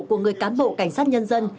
của người cán bộ cảnh sát nhân dân